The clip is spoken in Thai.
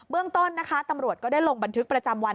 เรื่องต้นนะคะตำรวจก็ได้ลงบันทึกประจำวัน